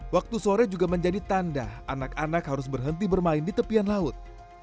waktu sore juga menjadi tanda anak anak harus berhenti bermain di tepian laut